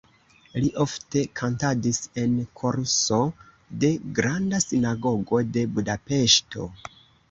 Li ofte kantadis en koruso de Granda Sinagogo de Budapeŝto.